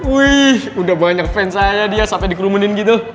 wih udah banyak fans saya dia sampai dikerumunin gitu